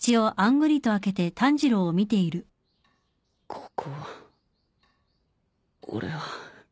ここは俺は。